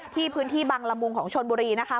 พื้นที่บังละมุงของชนบุรีนะคะ